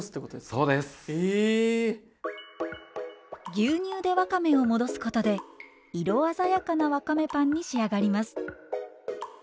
牛乳でわかめを戻すことで色鮮やかなわかめパンに仕上がります。